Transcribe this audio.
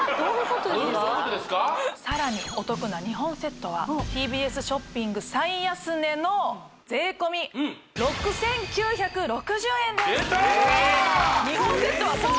さらにお得な２本セットはＴＢＳショッピング最安値の税込６９６０円です出たー！